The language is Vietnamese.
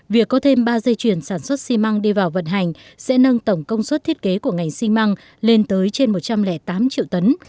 việc có thêm ba dây chuyền sản xuất xi măng đi vào vận hành sẽ nâng tổng công suất thiết kế của ngành xi măng lên tới trên một trăm linh tám triệu tấn